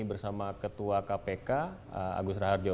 bersama ketua kpk agus raharjo